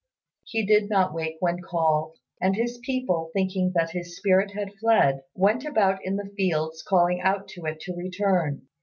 He did not wake when called; and his people, thinking that his spirit had fled, went about in the fields calling out to it to return.